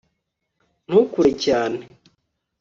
ntukure cyane